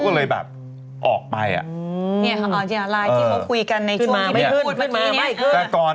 ขึ้นมาไม่ขึ้น